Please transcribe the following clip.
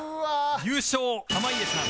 優勝濱家さん